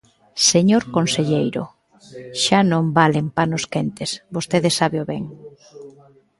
Señor conselleiro, xa non valen panos quentes, vostede sábeo ben.